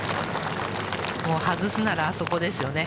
もう外すならあそこですよね。